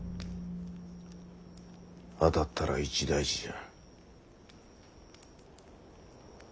あたったら一大事じゃ。